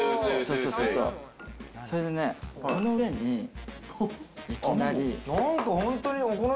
それでこの上に、いきなり。